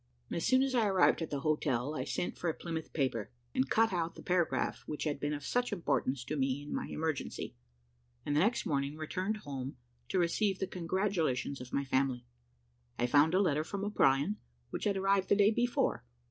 As soon as I arrived at the hotel, I sent for a Plymouth paper, and cut out the paragraph which had been of such importance to me in my emergency, and the next morning returned home to receive the congratulations of my family. I found a letter from O'Brien, which had arrived the day before.